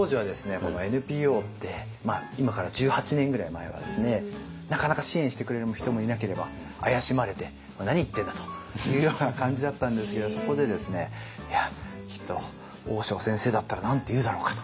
このＮＰＯって今から１８年ぐらい前はですねなかなか支援してくれる人もいなければ怪しまれて「何言ってんだ？」というような感じだったんですけどそこでですねいやきっと大塩先生だったら何て言うだろうかと。